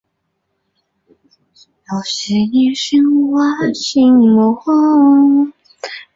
拉特纳普勒区是斯里兰卡萨伯勒格穆沃省的一个区。